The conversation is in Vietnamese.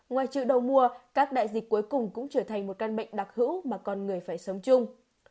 ngoài trự đầu mùa các đại dịch cuối cùng cũng chẳng hạn